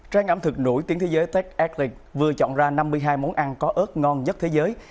trang ẩm thực nổi tiếng thế giới tech atle vừa chọn ra năm mươi hai món ăn có ớt ngon nhất thế giới